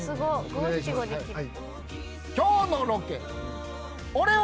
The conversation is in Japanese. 五七五できる。